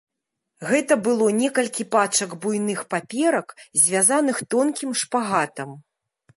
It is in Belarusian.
Гэта было некалькі пачак буйных паперак, звязаных тонкім шпагатам.